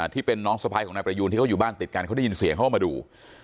ที่เป็นน้องสะพ้ายของนายประยูนที่เขาอยู่บ้านติดกันเขาได้ยินเสียงเขาก็มาดู